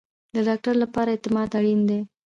د ډاکټر لپاره اعتماد اړین دی